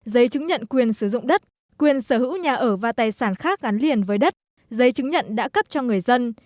giấy chứng nhận quyền sử dụng đất quyền sở hữu nhà ở và tài sản khác gắn liền với đất giấy chứng nhận đã cấp cho người dân